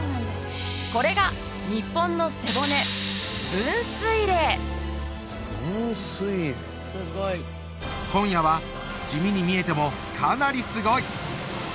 これが今夜は地味に見えてもかなりすごい！